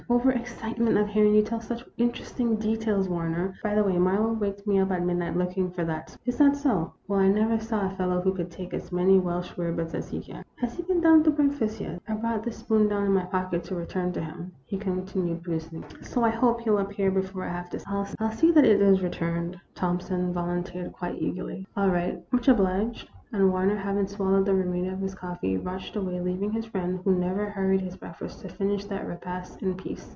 " Over excitement at hearing you tell such inter esting details, Warner. By the way, Marlowe waked me up at midnight looking for that spoon." " Is that so ?" Well, I never saw a fellow who could take as many Welsh rarebits as he can. Has he been down to breakfast yet? I brought this spoon down in my pocket to return to him, " he con THE ROMANCE OF A SPOON. 197 tinued, producing it " So I hope he '11 appear be fore I have to skip." " I '11 see that it is returned," Thompson volun teered, quite eagerly. " All right ; much obliged." And Warner, having swallowed the remainder of his coffee, rushed away, leaving his friend, who never hurried his breakfast, to finish that repast in peace.